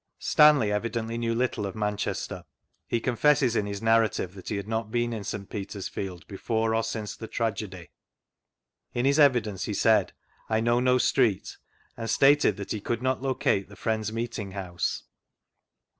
Stanley evidently knew little of Manchester. He confesses in his narrative that he bad not been in St. Peter's field before or since the tragedy; in his evidence he said ;" I know no street," and stated that he could not locate the Friends' Meeting house.